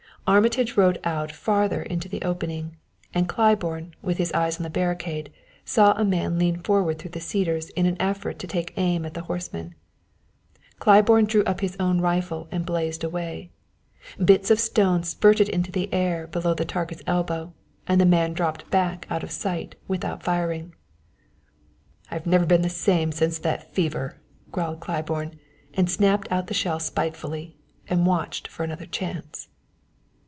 Armitage rode out farther into the opening, and Claiborne, with his eyes on the barricade, saw a man lean forward through the cedars in an effort to take aim at the horseman. Claiborne drew up his own rifle and blazed away. Bits of stone spurted into the air below the target's elbow, and the man dropped back out of sight without firing. "I've never been the same since that fever," growled Claiborne, and snapped out the shell spitefully, and watched for another chance.